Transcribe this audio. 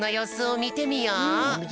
みてみよう。